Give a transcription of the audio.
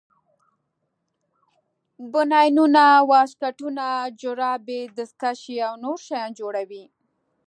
بنینونه واسکټونه جورابې دستکشې او نور شیان جوړوي.